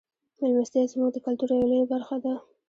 میلمستیا زموږ د کلتور یوه لویه برخه ده.